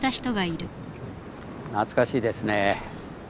懐かしいですね。